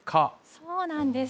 そうなんです。